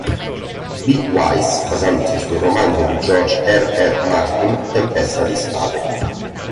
B. Weiss, basandosi sul romanzo di George R. R. Martin "Tempesta di spade".